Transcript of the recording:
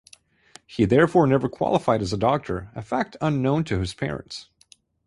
He therefore never qualified as a doctor, a fact unknown to his parents.